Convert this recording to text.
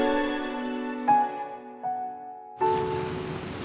tapi aku harus cari kemana